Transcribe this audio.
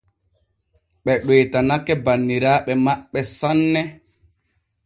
Ɓe ɗoytanake banniraaɓe maɓɓe sanne.